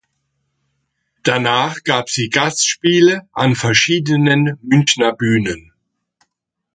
Danach gab sie Gastspiele an verschiedenen Münchner Bühnen.